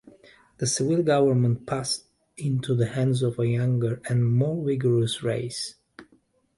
The civil government passed into the hands of a younger and more vigorous race.